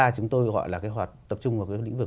chúng tôi gọi là tập trung vào cái lĩnh vực